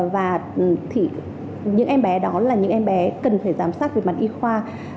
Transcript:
và những em bé đó là những em bé cần phải giám sát về mặt y khoa